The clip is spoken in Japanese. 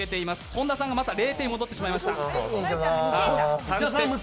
本田さんが０点に戻ってしまいました。